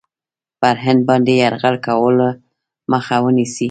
پر هند باندي یرغل کولو مخه ونیسي.